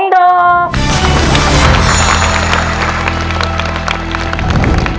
คุณฝนจากชายบรรยาย